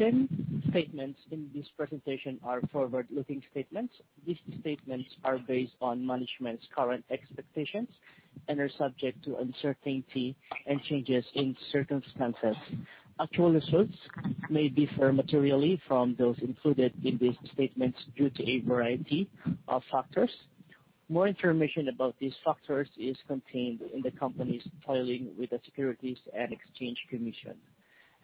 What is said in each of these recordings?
Ten statements in this presentation are forward-looking statements. These statements are based on management's current expectations and are subject to uncertainty and changes in circumstances. Actual results may differ materially from those included in these statements due to a variety of factors. More information about these factors is contained in the company's filing with the Securities and Exchange Commission,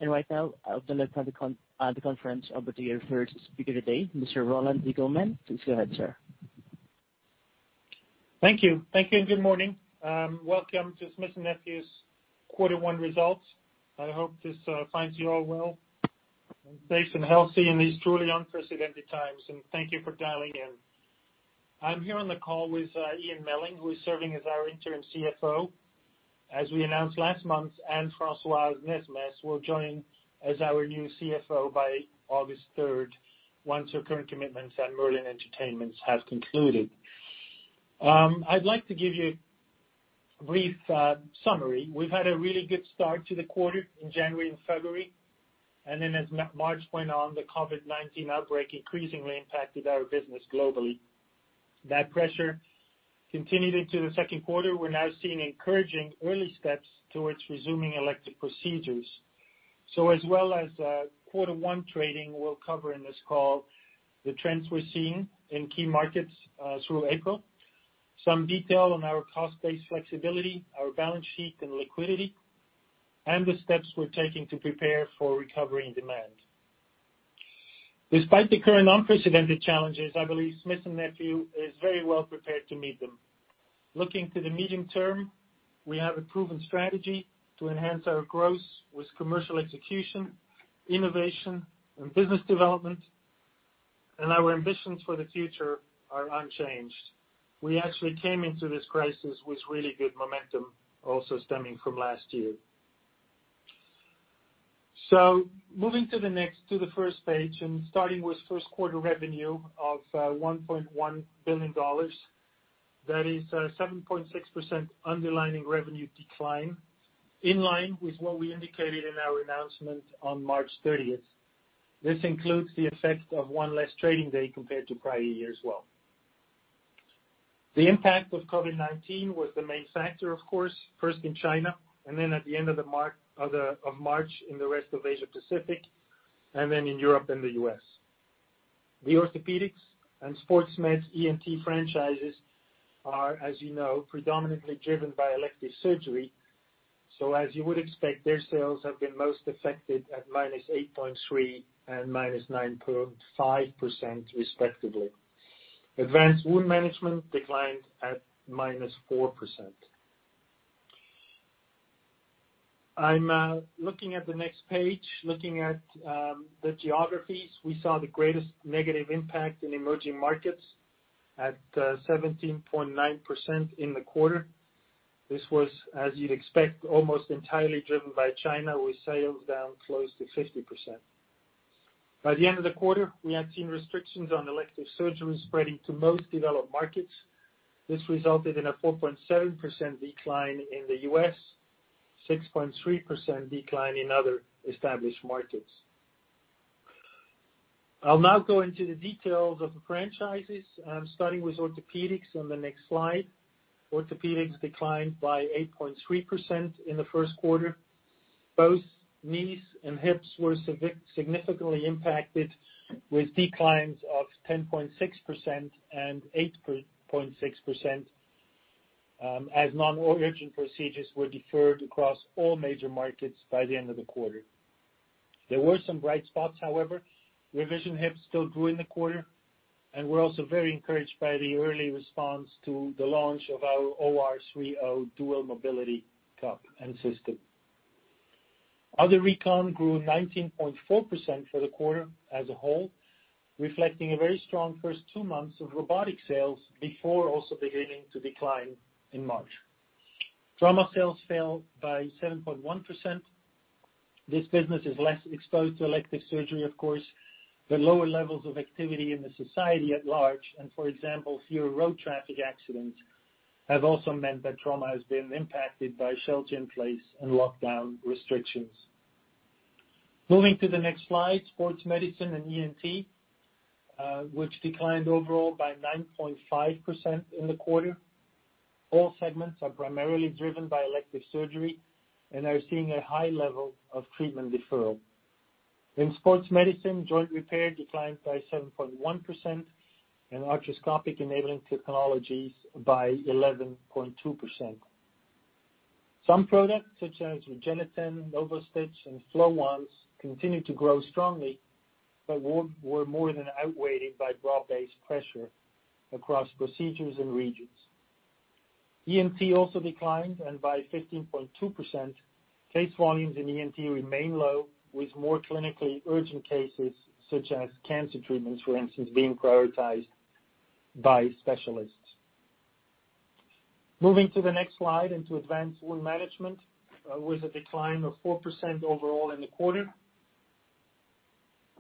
and right now, I would like to turn the conference over to your first speaker today, Mr. Roland Diggelmann. Please go ahead, sir. Thank you. Thank you and good morning. Welcome to Smith & Nephew's quarter one results. I hope this finds you all well and safe and healthy in these truly unprecedented times, and thank you for dialing in. I'm here on the call with Ian Melling, who is serving as our Interim CFO. As we announced last month, Anne-Françoise Nesmes will join as our new CFO by August 3rd, once her current commitments at Merlin Entertainments have concluded. I'd like to give you a brief summary. We've had a really good start to the quarter in January and February, and then, as March went on, the COVID-19 outbreak increasingly impacted our business globally. That pressure continued into the second quarter. We're now seeing encouraging early steps towards resuming elective procedures. As well as quarter one trading, we'll cover in this call the trends we're seeing in key markets through April, some detail on our cost base flexibility, our balance sheet and liquidity, and the steps we're taking to prepare for recovering demand. Despite the current unprecedented challenges, I believe Smith & Nephew is very well prepared to meet them. Looking to the medium term, we have a proven strategy to enhance our growth with commercial execution, innovation, and business development. Our ambitions for the future are unchanged. We actually came into this crisis with really good momentum, also stemming from last year. Moving to the next, to the first page, and starting with first quarter revenue of $1.1 billion. That is a 7.6% underlying revenue decline, in line with what we indicated in our announcement on March 30th. This includes the effect of one less trading day compared to prior years as well. The impact of COVID-19 was the main factor, of course, first in China, and then at the end of March in the rest of Asia Pacific, and then in Europe and the U.S. The Orthopedics and Sports Med ENT franchises are, as you know, predominantly driven by elective surgery. So, as you would expect, their sales have been most affected at -8.3% and -9.5%, respectively. Advanced Wound Management declined at -4%. I'm looking at the next page, looking at the geographies. We saw the greatest negative impact in emerging markets at 17.9% in the quarter. This was, as you'd expect, almost entirely driven by China, with sales down close to 50%. By the end of the quarter, we had seen restrictions on elective surgery spreading to most developed markets. This resulted in a 4.7% decline in the U.S., 6.3% decline in other established markets. I'll now go into the details of the franchises, starting with Orthopedics on the next slide. Orthopedics declined by 8.3% in the first quarter. Both knees and hips were significantly impacted, with declines of 10.6% and 8.6%, as non-urgent procedures were deferred across all major markets by the end of the quarter. There were some bright spots, however. Revision hips still grew in the quarter. And we're also very encouraged by the early response to the launch of our OR3O Dual Mobility Cup and System. Other Recon grew 19.4% for the quarter as a whole, reflecting a very strong first two months of robotic sales before also beginning to decline in March. Trauma sales fell by 7.1%. This business is less exposed to elective surgery, of course, but lower levels of activity in the society at large, and for example, fewer road traffic accidents have also meant that Trauma has been impacted by shelter in place and lockdown restrictions. Moving to the next slide, Sports Medicine and ENT, which declined overall by 9.5% in the quarter. All segments are primarily driven by elective surgery and are seeing a high level of treatment deferral. In Sports Medicine, Joint Repair declined by 7.1%, and Arthroscopic Enabling Technologies by 11.2%. Some products, such as REGENETEN, NOVASTITCH, and FLOW 90, continue to grow strongly, but were more than outweighed by broad-based pressure across procedures and regions. ENT also declined, and by 15.2%. Case volumes in ENT remain low, with more clinically urgent cases, such as cancer treatments, for instance, being prioritized by specialists. Moving to the next slide into Advanced Wound Management, with a decline of 4% overall in the quarter.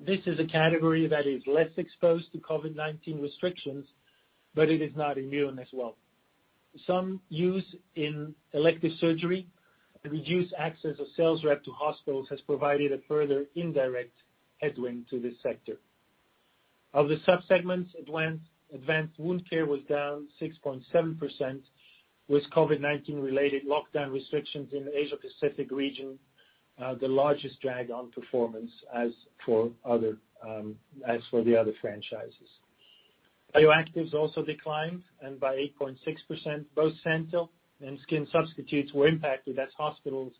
This is a category that is less exposed to COVID-19 restrictions, but it is not immune as well. Some use in elective surgery and reduced access of sales rep to hospitals has provided a further indirect headwind to this sector. Of the subsegments, Advanced Wound Care was down 6.7%, with COVID-19-related lockdown restrictions in the Asia Pacific region, the largest drag on performance as for the other franchises. Bioactives also declined by 8.6%. Both SANTYL and skin substitutes were impacted as hospitals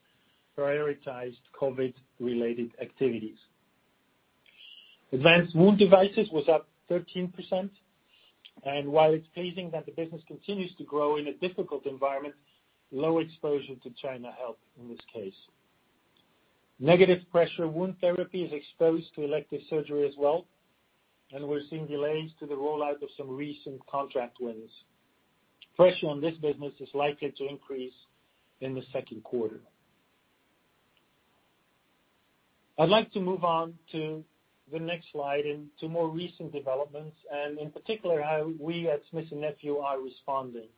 prioritized COVID-related activities. Advanced Wound Devices was up 13%. And while it's pleasing that the business continues to grow in a difficult environment, low exposure to China helped in this case. Negative Pressure Wound Therapy is exposed to elective surgery as well, and we're seeing delays to the rollout of some recent contract wins. Pressure on this business is likely to increase in the second quarter. I'd like to move on to the next slide and to more recent developments, and in particular, how we at Smith & Nephew are responding.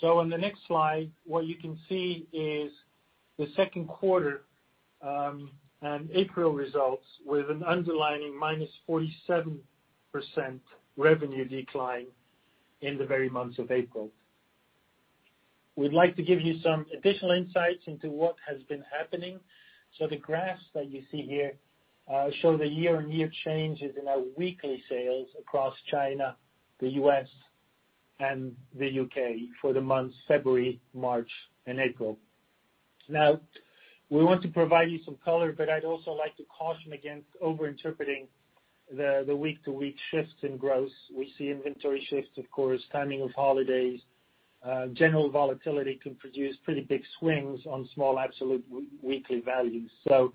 So, on the next slide, what you can see is the second quarter and April results, with an underlying -7% revenue decline in the very month of April. We'd like to give you some additional insights. into what has been happening. So, the graphs that you see here show the year-on-year changes in our weekly sales across China, the U.S., and the U.K. for the months February, March, and April. Now, we want to provide you some color, but I'd also like to caution against over-interpreting the week-to-week shifts in growth. We see inventory shifts, of course, timing of holidays. General volatility can produce pretty big swings on small absolute weekly values, so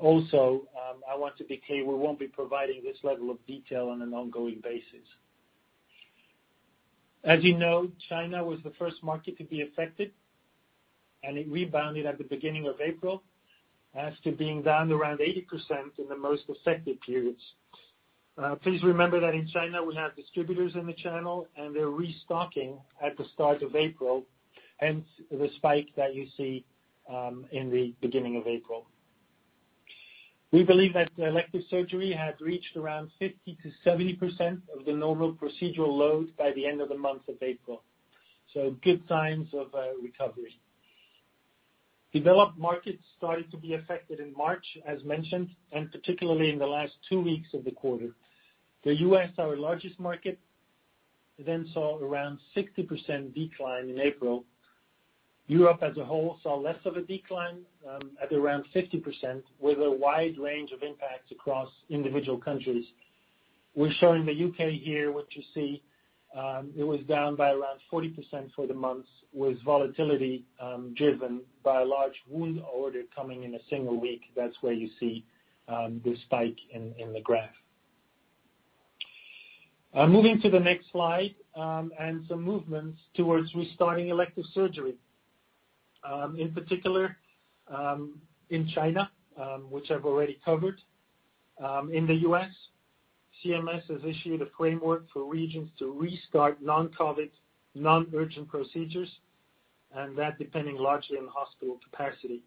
also, I want to be clear, we won't be providing this level of detail on an ongoing basis. As you know, China was the first market to be affected, and it rebounded at the beginning of April, as it was being down around 80% in the most affected periods. Please remember that in China, we have distributors in the channel, and they're restocking at the start of April, hence the spike that you see in the beginning of April. We believe that elective surgery had reached around 50%-70% of the normal procedural load by the end of the month of April, so good signs of recovery. Developed markets started to be affected in March, as mentioned, and particularly in the last two weeks of the quarter. The U.S., our largest market, then saw around 60% decline in April. Europe, as a whole, saw less of a decline, at around 50%, with a wide range of impacts across individual countries. We're showing the U.K. here, what you see. It was down by around 40% for the month, with volatility driven by a large wound order coming in a single week. That's where you see the spike in the graph. Moving to the next slide and some movements towards restarting elective surgery. In particular, in China, which I've already covered. In the U.S., CMS has issued a framework for regions to restart non-COVID, non-urgent procedures, and that depending largely on hospital capacity.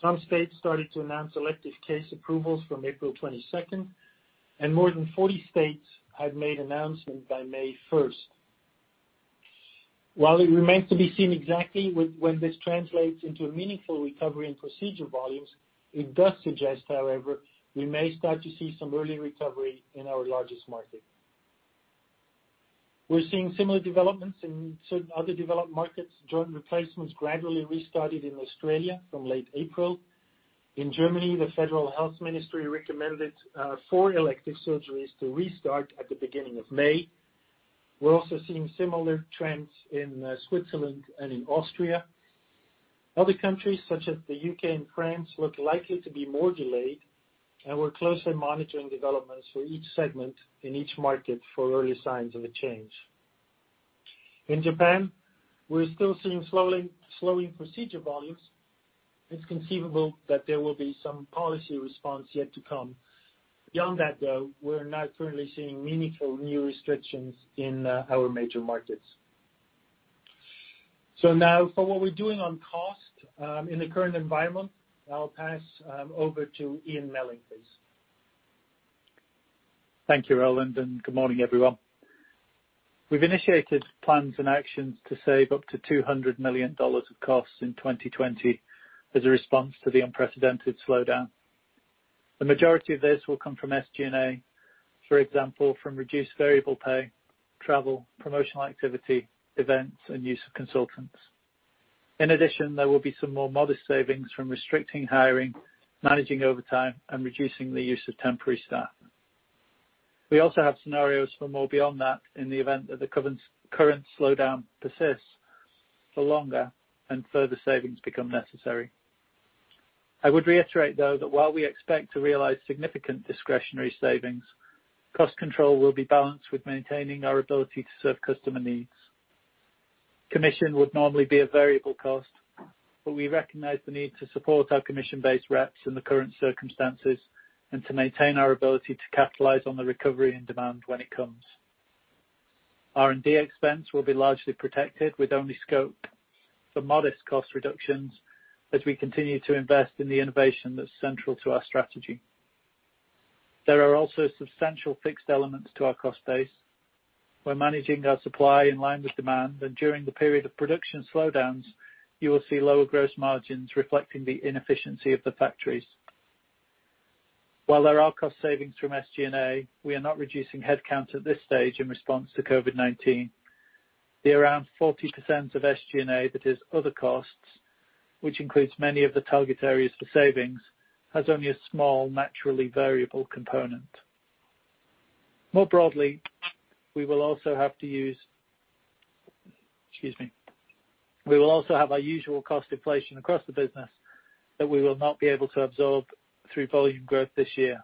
Some states started to announce elective case approvals from April 22nd, and more than 40 states had made announcements by May 1st. While it remains to be seen exactly when this translates into a meaningful recovery in procedure volumes, it does suggest, however, we may start to see some early recovery in our largest market. We're seeing similar developments in certain other developed markets. Joint replacements gradually restarted in Australia from late April. In Germany, the Federal Health Ministry recommended for elective surgeries to restart at the beginning of May. We're also seeing similar trends in Switzerland and in Austria. Other countries, such as the U.K. and France, look likely to be more delayed, and we're closely monitoring developments for each segment in each market for early signs of a change. In Japan, we're still seeing slowing procedure volumes. It's conceivable that there will be some policy response yet to come. Beyond that, though, we're not currently seeing meaningful new restrictions in our major markets. So now, for what we're doing on cost in the current environment, I'll pass over to Ian Melling, please. Thank you, Roland, and good morning, everyone. We've initiated plans and actions to save up to $200 million of costs in 2020 as a response to the unprecedented slowdown. The majority of this will come from SG&A, for example, from reduced variable pay, travel, promotional activity, events, and use of consultants. In addition, there will be some more modest savings from restricting hiring, managing overtime, and reducing the use of temporary staff. We also have scenarios for more beyond that in the event that the current slowdown persists for longer and further savings become necessary. I would reiterate, though, that while we expect to realize significant discretionary savings, cost control will be balanced with maintaining our ability to serve customer needs. Commission would normally be a variable cost, but we recognize the need to support our commission-based reps in the current circumstances and to maintain our ability to capitalize on the recovery in demand when it comes. R&D expense will be largely protected, with only scope for modest cost reductions as we continue to invest in the innovation that's central to our strategy. There are also substantial fixed elements to our cost base. We're managing our supply in line with demand, and during the period of production slowdowns, you will see lower gross margins reflecting the inefficiency of the factories. While there are cost savings from SG&A, we are not reducing headcount at this stage in response to COVID-19. The around 40% of SG&A that is other costs, which includes many of the target areas for savings, has only a small naturally variable component. More broadly, we will also have our usual cost inflation across the business that we will not be able to absorb through volume growth this year,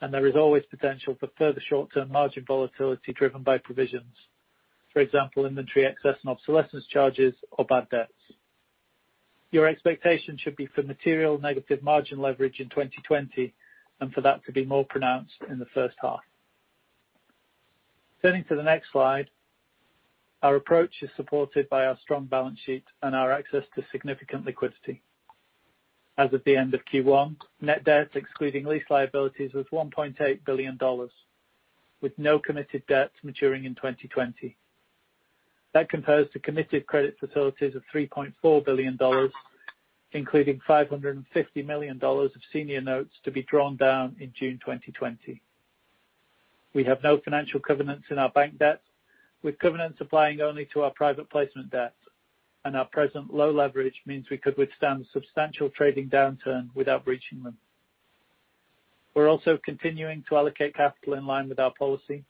and there is always potential for further short-term margin volatility driven by provisions, for example, inventory excess and obsolescence charges or bad debts. Your expectation should be for material negative margin leverage in 2020 and for that to be more pronounced in the first half. Turning to the next slide, our approach is supported by our strong balance sheet and our access to significant liquidity. As of the end of Q1, net debt, excluding lease liabilities, was $1.8 billion, with no committed debts maturing in 2020. That compares to committed credit facilities of $3.4 billion, including $550 million of senior notes to be drawn down in June 2020. We have no financial covenants in our bank debt, with covenants applying only to our private placement debt, and our present low leverage means we could withstand a substantial trading downturn without breaching them. We're also continuing to allocate capital in line with our policy.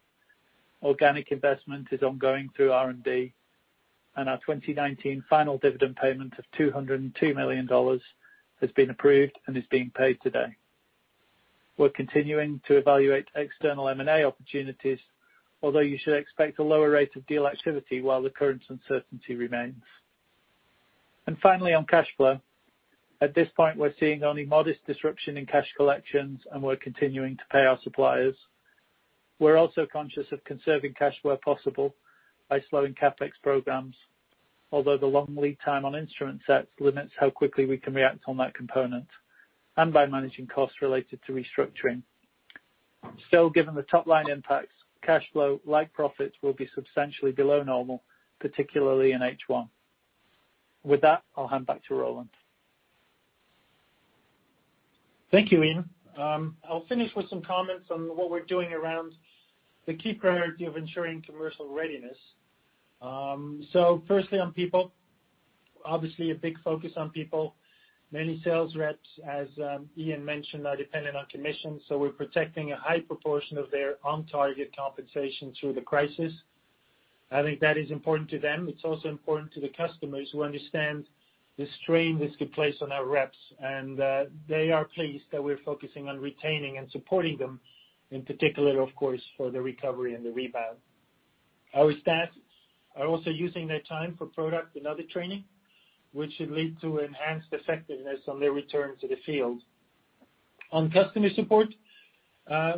Organic investment is ongoing through R&D, and our 2019 final dividend payment of $202 million has been approved and is being paid today. We're continuing to evaluate external M&A opportunities, although you should expect a lower rate of deal activity while the current uncertainty remains. And finally, on cash flow, at this point, we're seeing only modest disruption in cash collections, and we're continuing to pay our suppliers. We're also conscious of conserving cash where possible by slowing CapEx programs, although the long lead time on instrument sets limits how quickly we can react on that component and by managing costs related to restructuring. Still, given the top-line impacts, cash flow, like profits, will be substantially below normal, particularly in H1. With that, I'll hand back to Roland. Thank you, Ian. I'll finish with some comments on what we're doing around the key priority of ensuring commercial readiness, so firstly, on people, obviously a big focus on people. Many sales reps, as Ian mentioned, are dependent on commission, so we're protecting a high proportion of their on-target compensation through the crisis. I think that is important to them. It's also important to the customers who understand the strain this could place on our reps, and they are pleased that we're focusing on retaining and supporting them, in particular, of course, for the recovery and the rebound. Our staff are also using their time for product and other training, which should lead to enhanced effectiveness on their return to the field. On customer support,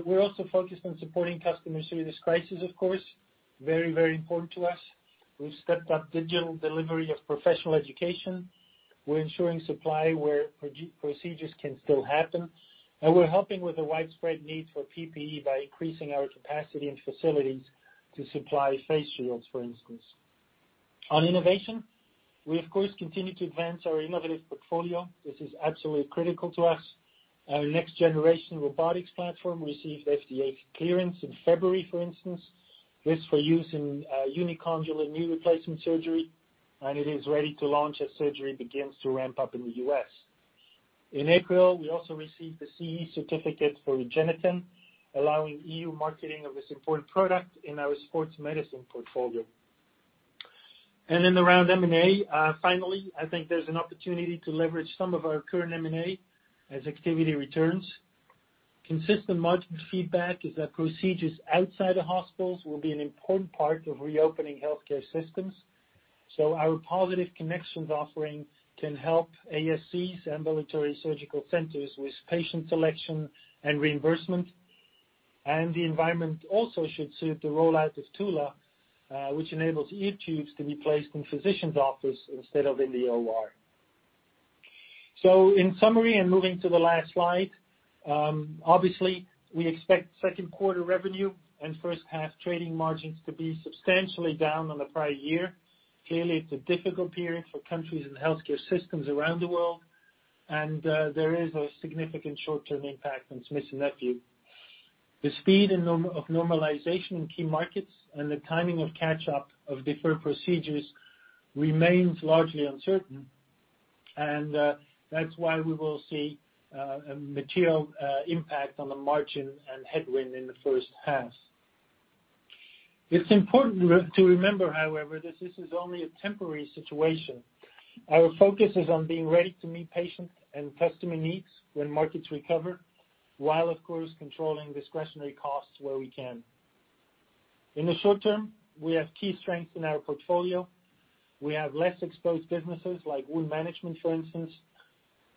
we're also focused on supporting customers through this crisis, of course. Very, very important to us. We've stepped up digital delivery of professional education. We're ensuring supply where procedures can still happen, and we're helping with the widespread need for PPE by increasing our capacity and facilities to supply face shields, for instance. On innovation, we, of course, continue to advance our innovative portfolio. This is absolutely critical to us. Our next generation robotics platform received FDA clearance in February, for instance. This is for use in unicondylar knee replacement surgery, and it is ready to launch as surgery begins to ramp up in the U.S. In April, we also received the CE certificate for REGENETEN, allowing EU marketing of this important product in our sports medicine portfolio. And in the R&D, M&A, finally, I think there's an opportunity to leverage some of our current M&A as activity returns. Consistent market feedback is that procedures outside of hospitals will be an important part of reopening healthcare systems. Our Positive Connections offering can help ASCs, ambulatory surgical centers, with patient selection and reimbursement. The environment also should suit the rollout of Tula, which enables ear tubes to be placed in physicians' offices instead of in the OR. In summary, and moving to the last slide, obviously, we expect second quarter revenue and first-half trading margins to be substantially down on the prior year. Clearly, it's a difficult period for countries and healthcare systems around the world, and there is a significant short-term impact on Smith & Nephew. The speed of normalization in key markets and the timing of catch-up of deferred procedures remains largely uncertain, and that's why we will see a material impact on the margin and headwind in the first half. It's important to remember, however, that this is only a temporary situation. Our focus is on being ready to meet patient and customer needs when markets recover, while, of course, controlling discretionary costs where we can. In the short term, we have key strengths in our portfolio. We have less exposed businesses, like wound management, for instance,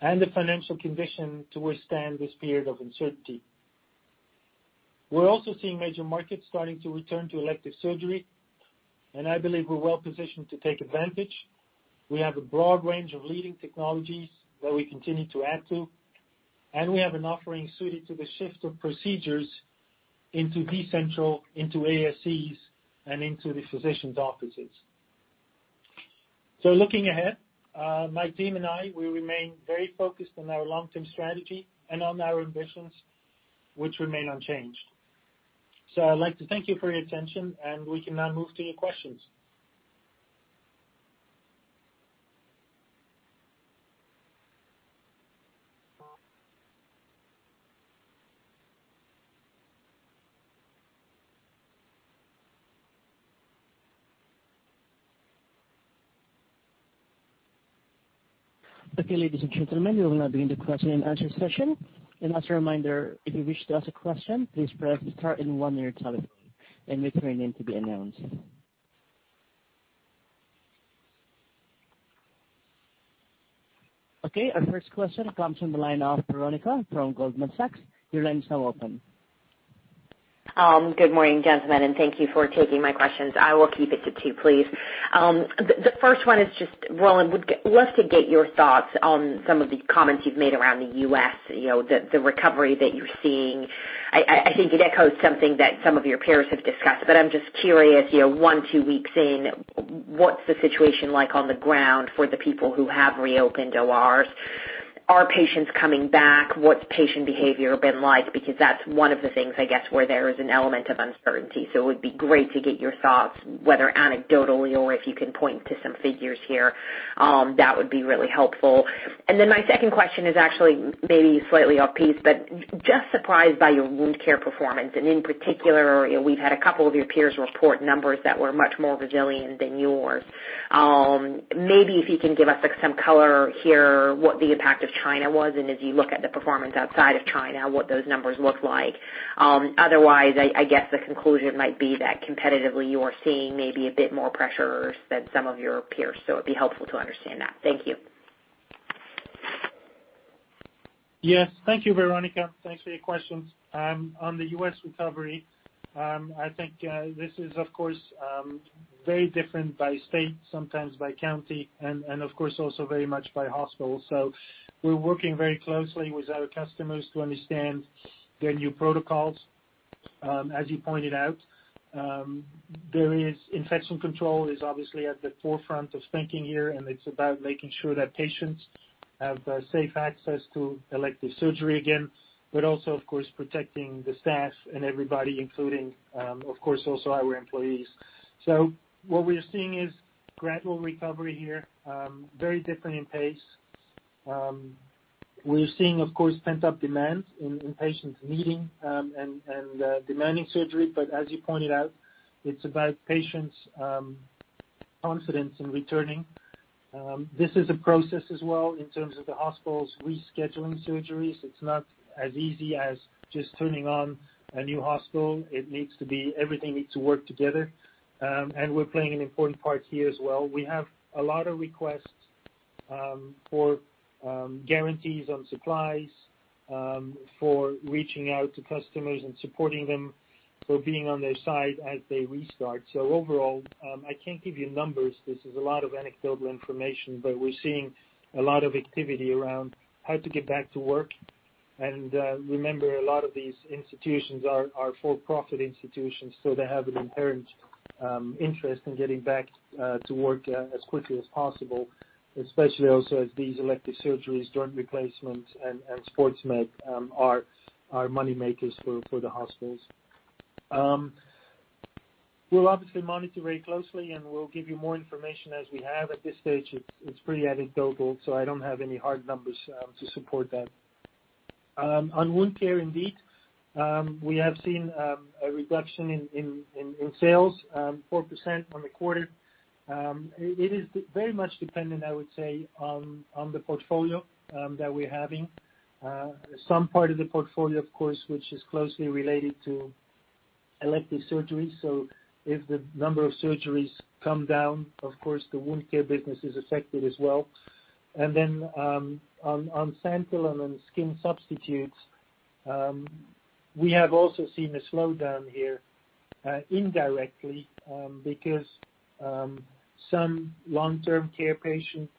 and the financial condition to withstand this period of uncertainty. We're also seeing major markets starting to return to elective surgery, and I believe we're well positioned to take advantage. We have a broad range of leading technologies that we continue to add to, and we have an offering suited to the shift of procedures into decentralized, into ASCs, and into the physicians' offices. So, looking ahead, my team and I, we remain very focused on our long-term strategy and on our ambitions, which remain unchanged. So, I'd like to thank you for your attention, and we can now move to your questions. Okay, ladies and gentlemen, we will now begin the question and answer session. And as a reminder, if you wish to ask a question, please press the star and one on your telephone, and wait for your name to be announced. Okay, our first question comes from the line of Veronika from Goldman Sachs. Your line is now open. Good morning, gentlemen, and thank you for taking my questions. I will keep it to two, please. The first one is just, Roland, would love to get your thoughts on some of the comments you've made around the U.S., the recovery that you're seeing. I think it echoes something that some of your peers have discussed, but I'm just curious, one, two weeks in, what's the situation like on the ground for the people who have reopened ORs? Are patients coming back? What's patient behavior been like? Because that's one of the things, I guess, where there is an element of uncertainty. So, it would be great to get your thoughts, whether anecdotally or if you can point to some figures here. That would be really helpful. And then my second question is actually maybe slightly off-piste, but just surprised by your wound care performance. In particular, we've had a couple of your peers report numbers that were much more resilient than yours. Maybe if you can give us some color here, what the impact of China was, and as you look at the performance outside of China, what those numbers look like? Otherwise, I guess the conclusion might be that competitively you are seeing maybe a bit more pressures than some of your peers. It'd be helpful to understand that. Thank you. Yes, thank you, Veronika. Thanks for your questions. On the U.S. recovery, I think this is, of course, very different by state, sometimes by county, and of course, also very much by hospital. So, we're working very closely with our customers to understand their new protocols, as you pointed out. Infection control is obviously at the forefront of thinking here, and it's about making sure that patients have safe access to elective surgery again, but also, of course, protecting the staff and everybody, including, of course, also our employees. So, what we're seeing is gradual recovery here, very different in pace. We're seeing, of course, pent-up demand in patients needing and demanding surgery, but as you pointed out, it's about patients' confidence in returning. This is a process as well in terms of the hospitals rescheduling surgeries. It's not as easy as just turning on a new hospital. Everything needs to work together, and we're playing an important part here as well. We have a lot of requests for guarantees on supplies, for reaching out to customers and supporting them for being on their side as they restart. So, overall, I can't give you numbers. This is a lot of anecdotal information, but we're seeing a lot of activity around how to get back to work, and remember, a lot of these institutions are for-profit institutions, so they have an inherent interest in getting back to work as quickly as possible, especially also as these elective surgeries, joint replacements, and sports med are moneymakers for the hospitals. We'll obviously monitor very closely, and we'll give you more information as we have. At this stage, it's pretty anecdotal, so I don't have any hard numbers to support that. On wound care, indeed, we have seen a reduction in sales, 4% on the quarter. It is very much dependent, I would say, on the portfolio that we're having. Some part of the portfolio, of course, is closely related to elective surgeries. If the number of surgeries come down, of course, the wound care business is affected as well, and then on SANTYL and on skin substitutes, we have also seen a slowdown here indirectly because some long-term care patient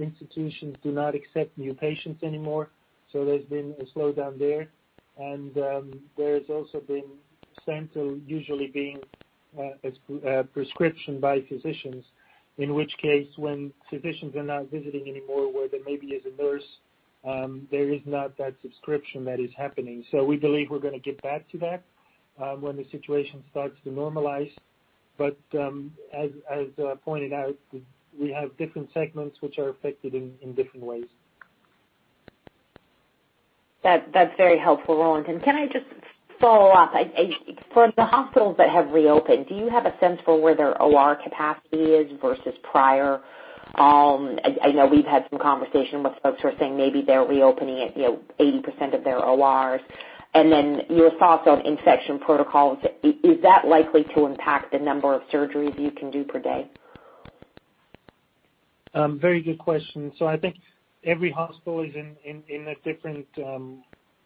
institutions do not accept new patients anymore, so there's been a slowdown there, and there has also been SANTYL usually being a prescription by physicians, in which case when physicians are not visiting anymore, where there maybe is a nurse, there is not that prescription that is happening, so we believe we're going to get back to that when the situation starts to normalize. But as pointed out, we have different segments which are affected in different ways. That's very helpful, Roland. And can I just follow up? For the hospitals that have reopened, do you have a sense for where their OR capacity is versus prior? I know we've had some conversation with folks who are saying maybe they're reopening 80% of their ORs. And then your thoughts on infection protocols, is that likely to impact the number of surgeries you can do per day? Very good question. So, I think every hospital is in a different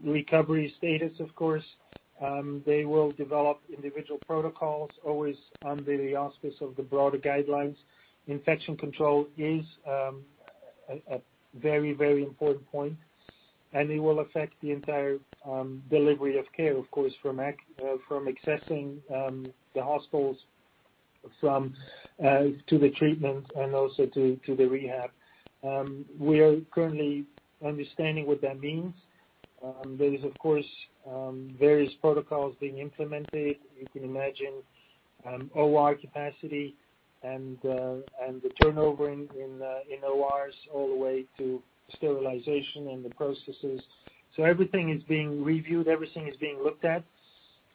recovery status, of course. They will develop individual protocols, always under the auspice of the broader guidelines. Infection control is a very, very important point, and it will affect the entire delivery of care, of course, from accessing the hospitals to the treatment and also to the rehab. We are currently understanding what that means. There is, of course, various protocols being implemented. You can imagine OR capacity and the turnover in ORs all the way to sterilization and the processes. So, everything is being reviewed. Everything is being looked at.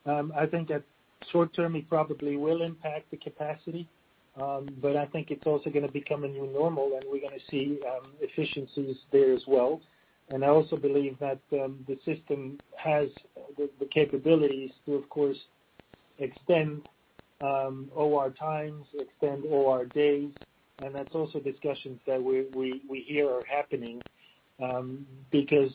I think at short term, it probably will impact the capacity, but I think it's also going to become a new normal, and we're going to see efficiencies there as well. And I also believe that the system has the capabilities to, of course, extend OR times, extend OR days, and that's also discussions that we hear are happening because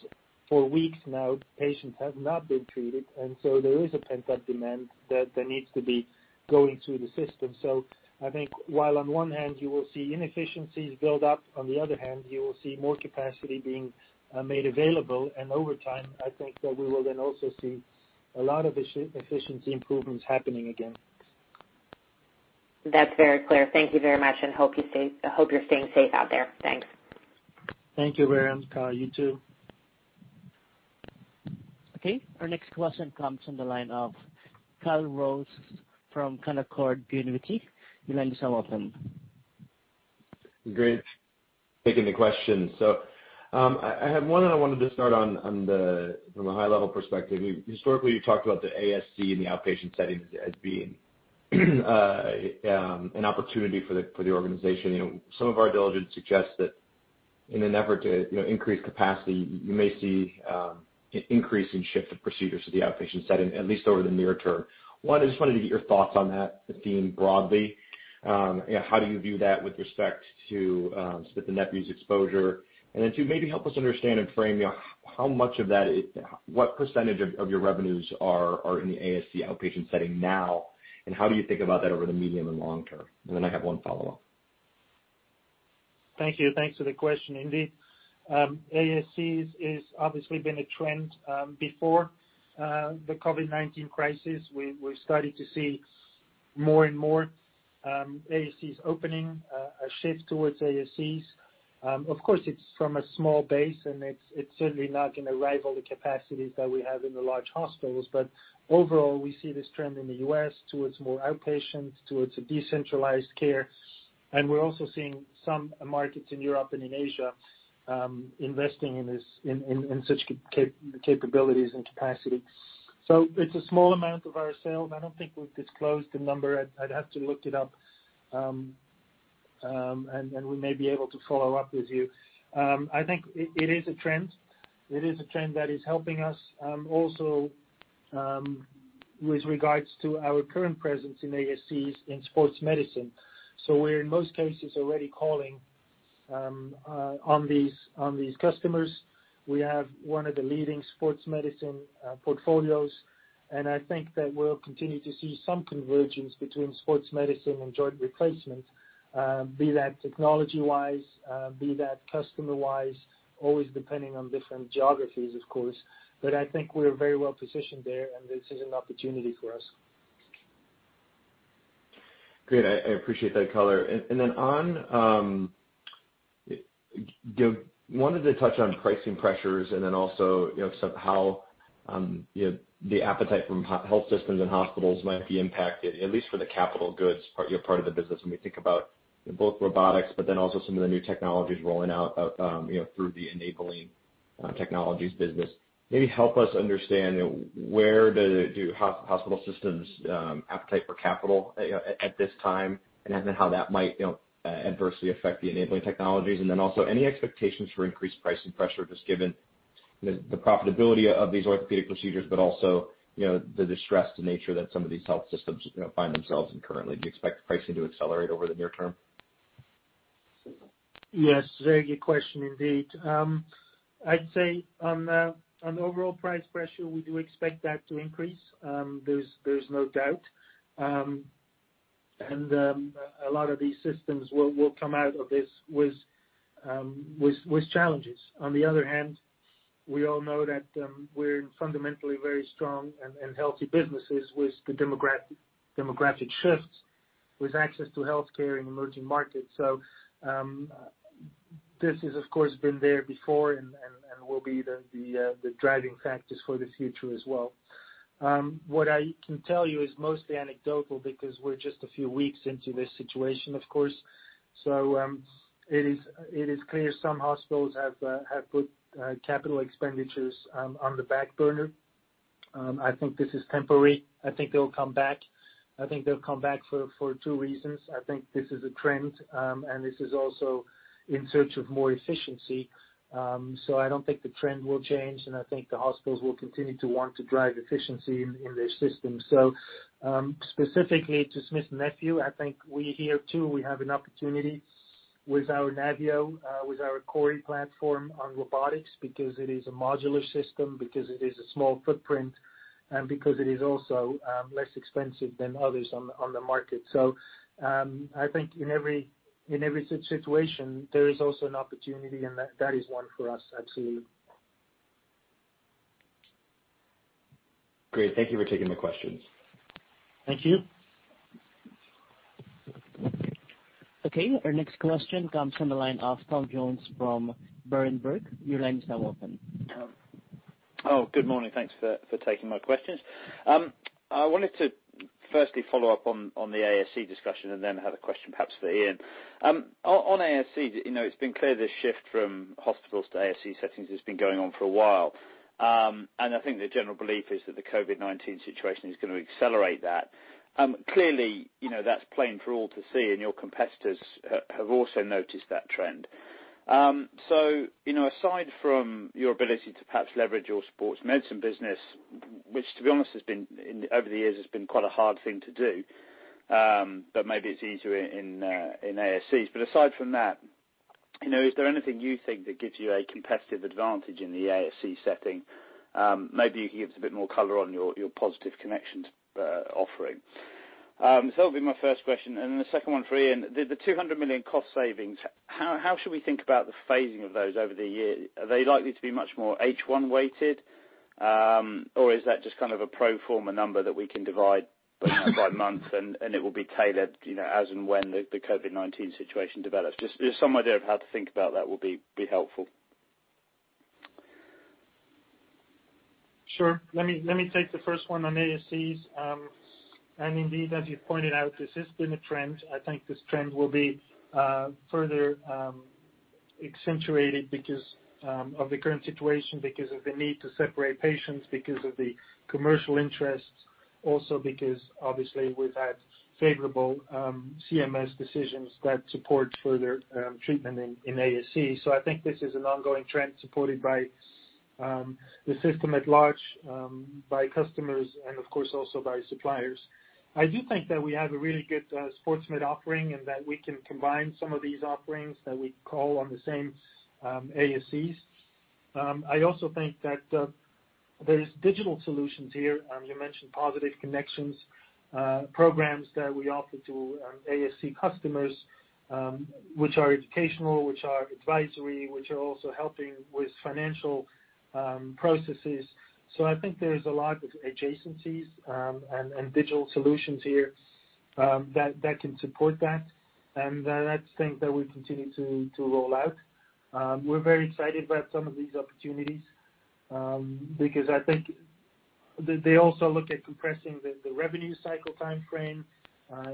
for weeks now, patients have not been treated, and so there is a pent-up demand that needs to be going through the system. So, I think while on one hand you will see inefficiencies build up, on the other hand, you will see more capacity being made available, and over time, I think that we will then also see a lot of efficiency improvements happening again. That's very clear. Thank you very much, and hope you're staying safe out there. Thanks. Thank you, Veronika. You too. Okay, our next question comes from the line of Kyle Rose from Canaccord Genuity. You'll answer some of them. Great. Taking the question. So, I have one that I wanted to start on from a high-level perspective. Historically, you talked about the ASC in the outpatient setting as being an opportunity for the organization. Some of our diligence suggests that in an effort to increase capacity, you may see an increase in shift of procedures to the outpatient setting, at least over the near term. One, I just wanted to get your thoughts on that theme broadly. How do you view that with respect to Smith & Nephew's exposure? And then two, maybe help us understand and frame how much of that, what percentage of your revenues are in the ASC outpatient setting now, and how do you think about that over the medium and long term? And then I have one follow-up. Thank you. Thanks for the question, indeed. ASCs have obviously been a trend before the COVID-19 crisis. We've started to see more and more ASCs opening, a shift towards ASCs. Of course, it's from a small base, and it's certainly not going to rival the capacities that we have in the large hospitals. But overall, we see this trend in the U.S. towards more outpatients, towards decentralized care. And we're also seeing some markets in Europe and in Asia investing in such capabilities and capacity. So, it's a small amount of our sales. I don't think we've disclosed the number. I'd have to look it up, and we may be able to follow up with you. I think it is a trend. It is a trend that is helping us also with regards to our current presence in ASCs in sports medicine. We're in most cases already calling on these customers. We have one of the leading sports medicine portfolios, and I think that we'll continue to see some convergence between sports medicine and joint replacement, be that technology-wise, be that customer-wise, always depending on different geographies, of course. I think we're very well positioned there, and this is an opportunity for us. Great. I appreciate that color. And then one of the touch on pricing pressures and then also how the appetite from health systems and hospitals might be impacted, at least for the capital goods part of the business when we think about both robotics, but then also some of the new technologies rolling out through the enabling technologies business. Maybe help us understand where hospital systems' appetite for capital is at this time and how that might adversely affect the enabling technologies. And then also any expectations for increased pricing pressure just given the profitability of these orthopedic procedures, but also the distressed nature that some of these health systems find themselves in currently. Do you expect pricing to accelerate over the near term? Yes, very good question, indeed. I'd say on the overall price pressure, we do expect that to increase. There's no doubt, and a lot of these systems will come out of this with challenges. On the other hand, we all know that we're fundamentally very strong and healthy businesses with the demographic shifts, with access to healthcare and emerging markets, so this has, of course, been there before and will be the driving factors for the future as well. What I can tell you is mostly anecdotal because we're just a few weeks into this situation, of course, so it is clear some hospitals have put capital expenditures on the back burner. I think this is temporary. I think they'll come back. I think they'll come back for two reasons. I think this is a trend, and this is also in search of more efficiency. So, I don't think the trend will change, and I think the hospitals will continue to want to drive efficiency in their systems, so specifically to Smith & Nephew, I think we here too, we have an opportunity with our NAVIO, with our CORI platform on robotics because it is a modular system, because it is a small footprint, and because it is also less expensive than others on the market, so I think in every situation, there is also an opportunity, and that is one for us, absolutely. Great. Thank you for taking the questions. Thank you. Okay, our next question comes from the line of Tom Jones from Berenberg. Your line is now open. Oh, good morning. Thanks for taking my questions. I wanted to firstly follow up on the ASC discussion and then have a question perhaps for Ian. On ASC, it's been clear this shift from hospitals to ASC settings has been going on for a while. And I think the general belief is that the COVID-19 situation is going to accelerate that. Clearly, that's plain for all to see, and your competitors have also noticed that trend. So, aside from your ability to perhaps leverage your Sports Medicine business, which to be honest, over the years has been quite a hard thing to do, but maybe it's easier in ASCs. But aside from that, is there anything you think that gives you a competitive advantage in the ASC setting? Maybe you can give us a bit more color on your Positive Connections offering. So, that'll be my first question. And then the second one for Ian, the $200 million cost savings, how should we think about the phasing of those over the year? Are they likely to be much more H1-weighted, or is that just kind of a pro forma number that we can divide by month and it will be tailored as and when the COVID-19 situation develops? Just some idea of how to think about that would be helpful. Sure. Let me take the first one on ASCs. And indeed, as you pointed out, this has been a trend. I think this trend will be further accentuated because of the current situation, because of the need to separate patients, because of the commercial interests, also because obviously we've had favorable CMS decisions that support further treatment in ASCs. So, I think this is an ongoing trend supported by the system at large, by customers, and of course also by suppliers. I do think that we have a really good Sports Med offering and that we can combine some of these offerings that we call on the same ASCs. I also think that there are digital solutions here. You mentioned Positive Connections programs that we offer to ASC customers, which are educational, which are advisory, which are also helping with financial processes. So, I think there's a lot of adjacencies and digital solutions here that can support that. And that's a thing that we continue to roll out. We're very excited about some of these opportunities because I think they also look at compressing the revenue cycle timeframe,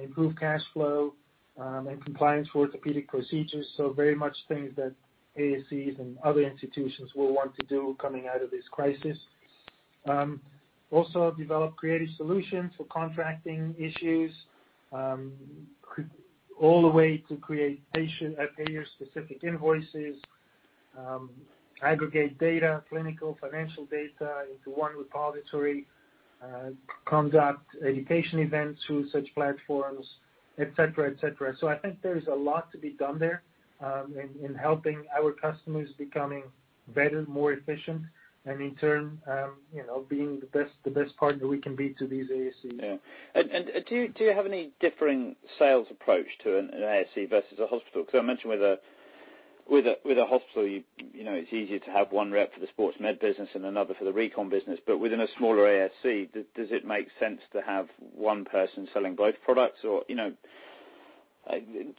improve cash flow, and compliance for orthopedic procedures. So, very much things that ASCs and other institutions will want to do coming out of this crisis. Also, develop creative solutions for contracting issues, all the way to create payer-specific invoices, aggregate data, clinical, financial data into one repository, conduct education events through such platforms, etc., etc. So, I think there is a lot to be done there in helping our customers becoming better, more efficient, and in turn being the best partner we can be to these ASCs. Yeah. And do you have any differing sales approach to an ASC versus a hospital? Because I mentioned with a hospital, it's easier to have one rep for the Sports Med business and another for the recon business. But within a smaller ASC, does it make sense to have one person selling both products? Or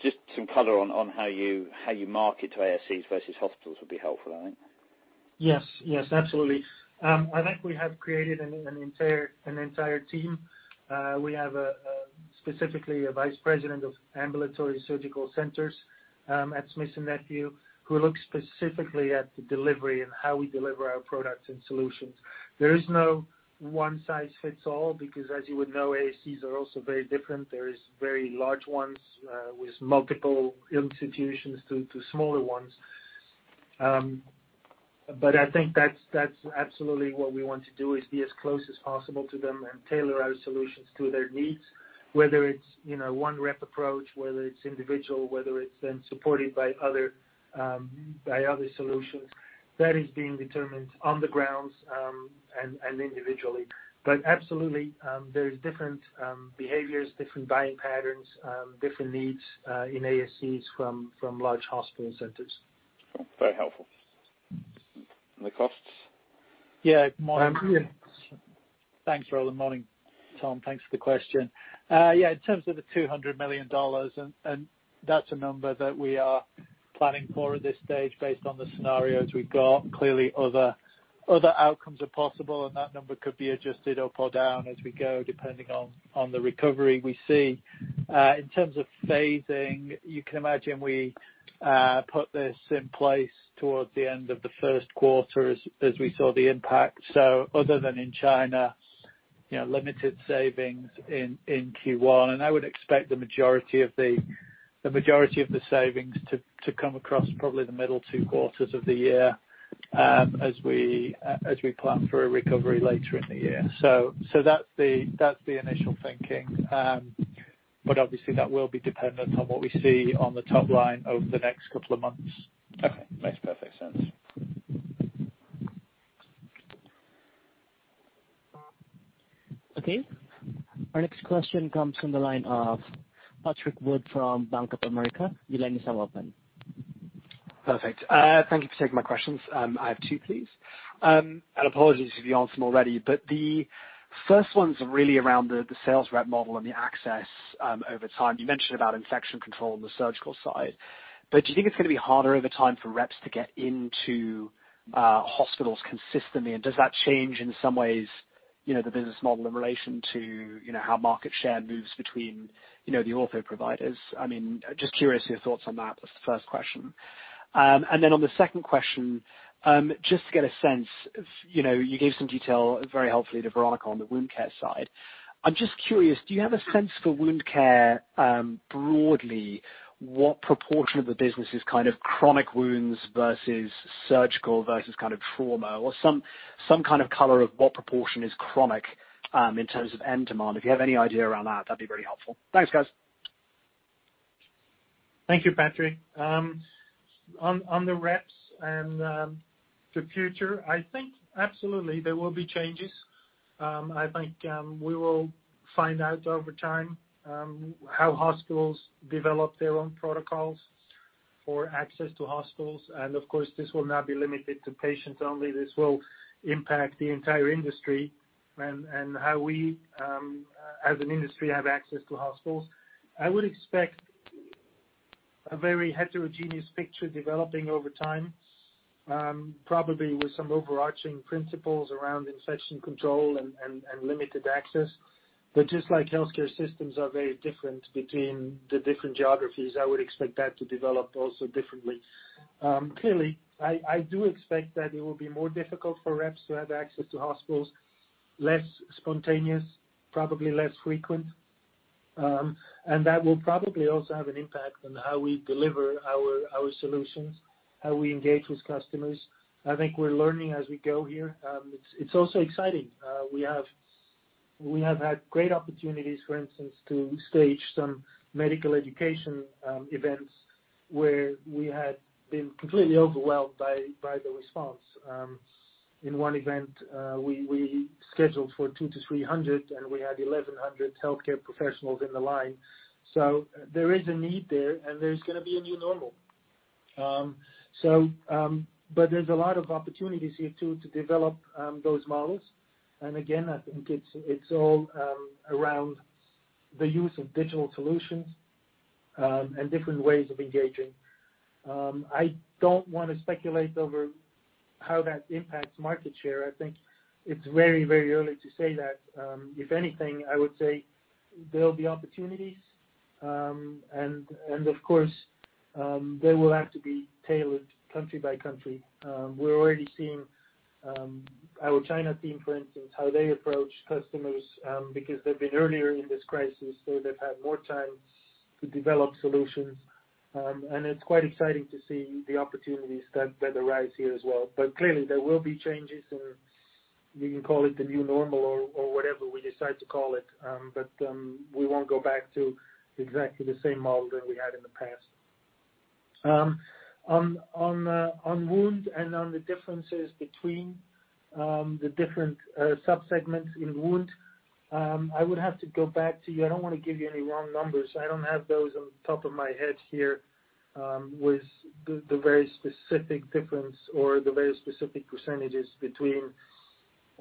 just some color on how you market to ASCs versus hospitals would be helpful, I think. Yes, yes, absolutely. I think we have created an entire team. We have specifically a Vice President of Ambulatory Surgical Centers at Smith & Nephew who looks specifically at the delivery and how we deliver our products and solutions. There is no one size fits all because, as you would know, ASCs are also very different. There are very large ones with multiple institutions to smaller ones. But I think that's absolutely what we want to do is be as close as possible to them and tailor our solutions to their needs, whether it's one rep approach, whether it's individual, whether it's then supported by other solutions. That is being determined on the ground and individually. But absolutely, there are different behaviors, different buying patterns, different needs in ASCs from large hospital centers. Very helpful. And the costs? Yeah. Morning. Thanks, Roland. Morning, Tom. Thanks for the question. Yeah, in terms of the $200 million, and that's a number that we are planning for at this stage based on the scenarios we've got. Clearly, other outcomes are possible, and that number could be adjusted up or down as we go depending on the recovery we see. In terms of phasing, you can imagine we put this in place towards the end of the first quarter as we saw the impact. So, other than in China, limited savings in Q1. And I would expect the majority of the savings to come across probably the middle two quarters of the year as we plan for a recovery later in the year. So, that's the initial thinking. But obviously, that will be dependent on what we see on the top line over the next couple of months. Okay. Makes perfect sense. Okay. Our next question comes from the line of Patrick Wood from Bank of America. Your line is now open. Perfect. Thank you for taking my questions. I have two, please, and apologies if you answered them already, but the first one's really around the sales rep model and the access over time. You mentioned about infection control on the surgical side, but do you think it's going to be harder over time for reps to get into hospitals consistently, and does that change in some ways the business model in relation to how market share moves between the ortho providers? I mean, just curious of your thoughts on that was the first question, and then on the second question, just to get a sense, you gave some detail very helpfully to Veronika on the wound care side. I'm just curious, do you have a sense for wound care broadly, what proportion of the business is kind of chronic wounds versus surgical versus kind of trauma? Or some kind of color of what proportion is chronic in terms of end demand? If you have any idea around that, that'd be very helpful. Thanks, guys. Thank you, Patrick. On the reps and the future, I think absolutely there will be changes. I think we will find out over time how hospitals develop their own protocols for access to hospitals. And of course, this will not be limited to patients only. This will impact the entire industry and how we, as an industry, have access to hospitals. I would expect a very heterogeneous picture developing over time, probably with some overarching principles around infection control and limited access. But just like healthcare systems are very different between the different geographies, I would expect that to develop also differently. Clearly, I do expect that it will be more difficult for reps to have access to hospitals, less spontaneous, probably less frequent. And that will probably also have an impact on how we deliver our solutions, how we engage with customers. I think we're learning as we go here. It's also exciting. We have had great opportunities, for instance, to stage some medical education events where we had been completely overwhelmed by the response. In one event, we scheduled for 200-300, and we had 1,100 healthcare professionals in the line. So, there is a need there, and there's going to be a new normal. But there's a lot of opportunities here too to develop those models. And again, I think it's all around the use of digital solutions and different ways of engaging. I don't want to speculate over how that impacts market share. I think it's very, very early to say that. If anything, I would say there'll be opportunities. And of course, they will have to be tailored country by country. We're already seeing our China team, for instance, how they approach customers because they've been earlier in this crisis, so they've had more time to develop solutions. And it's quite exciting to see the opportunities that arise here as well. But clearly, there will be changes, and we can call it the new normal or whatever we decide to call it. But we won't go back to exactly the same model that we had in the past. On wound and on the differences between the different subsegments in wound, I would have to go back to you. I don't want to give you any wrong numbers. I don't have those on top of my head here with the very specific difference or the very specific percentages between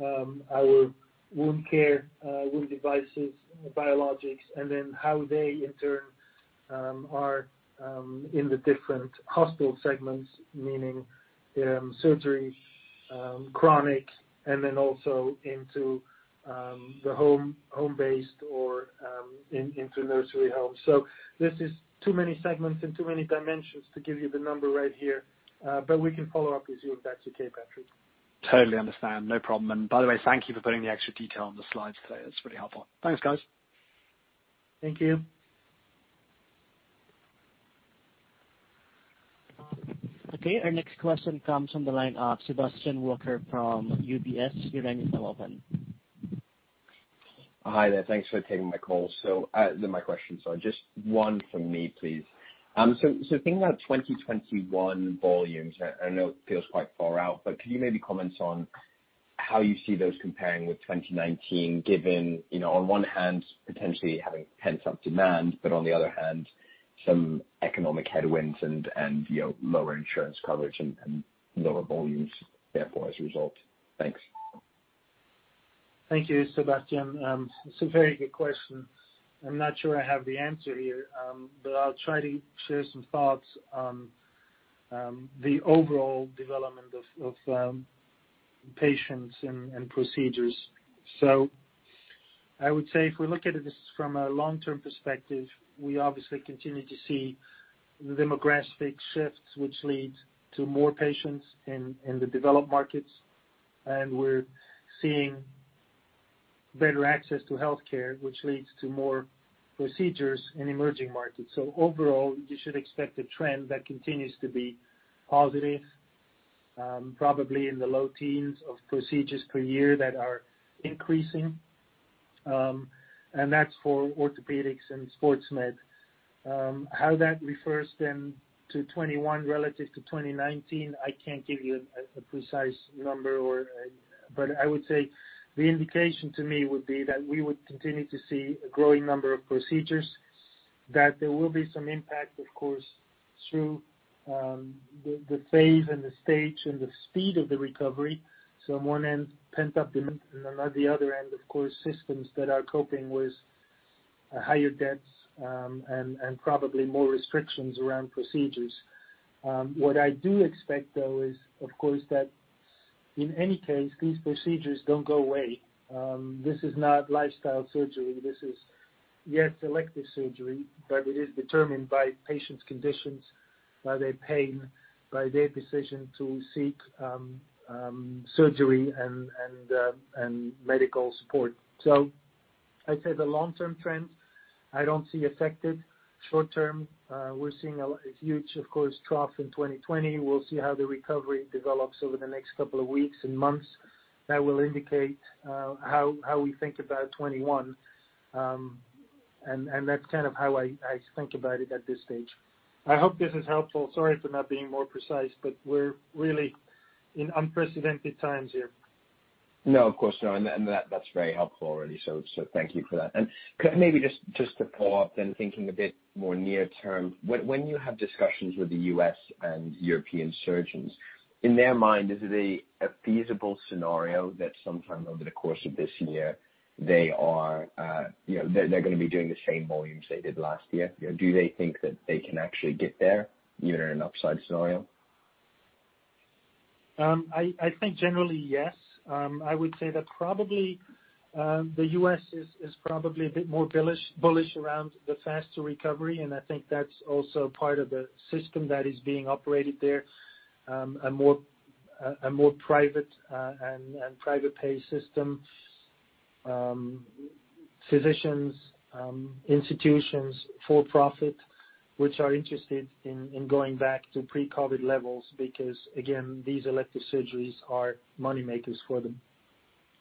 our wound care, wound devices, biologics, and then how they in turn are in the different hospital segments, meaning surgery, chronic, and then also into the home-based or into nursing homes. So, this is too many segments and too many dimensions to give you the number right here. But we can follow up with you if that's okay, Patrick. Totally understand. No problem, and by the way, thank you for putting the extra detail on the slides today. That's really helpful. Thanks, guys. Thank you. Okay. Our next question comes from the line of Sebastian Walker from UBS. Your line is now open. Hi there. Thanks for taking my call. So, my question. So, just one from me, please. So, thinking about 2021 volumes, I know it feels quite far out, but could you maybe comment on how you see those comparing with 2019, given on one hand, potentially having pent-up demand, but on the other hand, some economic headwinds and lower insurance coverage and lower volumes, therefore as a result? Thanks. Thank you, Sebastian. It's a very good question. I'm not sure I have the answer here, but I'll try to share some thoughts on the overall development of patients and procedures. So I would say if we look at this from a long-term perspective, we obviously continue to see the demographic shifts, which leads to more patients in the developed markets, and we're seeing better access to healthcare, which leads to more procedures in emerging markets. So overall, you should expect a trend that continues to be positive, probably in the low teens of procedures per year that are increasing, and that's for Orthopedics and Sports Med. How that refers then to 2021 relative to 2019, I can't give you a precise number, but I would say the indication to me would be that we would continue to see a growing number of procedures, that there will be some impact, of course, through the phase and the stage and the speed of the recovery. So, on one end, pent-up demand, and on the other end, of course, systems that are coping with higher debts and probably more restrictions around procedures. What I do expect, though, is, of course, that in any case, these procedures don't go away. This is not lifestyle surgery. This is, yes, elective surgery, but it is determined by patients' conditions, by their pain, by their decision to seek surgery and medical support. So, I'd say the long-term trend, I don't see affected. Short-term, we're seeing a huge, of course, trough in 2020. We'll see how the recovery develops over the next couple of weeks and months. That will indicate how we think about 2021. And that's kind of how I think about it at this stage. I hope this is helpful. Sorry for not being more precise, but we're really in unprecedented times here. No, of course, no. And that's very helpful already. So, thank you for that. And maybe just to follow up then, thinking a bit more near-term, when you have discussions with the U.S. and European surgeons, in their mind, is it a feasible scenario that sometime over the course of this year, they are going to be doing the same volumes they did last year? Do they think that they can actually get there, even in an upside scenario? I think generally, yes. I would say that probably the U.S. is probably a bit more bullish around the faster recovery, and I think that's also part of the system that is being operated there, a more private and private-pay system, physicians, institutions, for-profit, which are interested in going back to pre-COVID levels because, again, these elective surgeries are moneymakers for them.